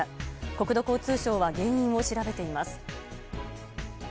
国土交通省は原因を調べています。